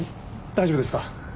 大丈夫ですか？